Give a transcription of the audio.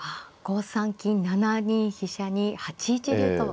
５三金７二飛車に８一竜と。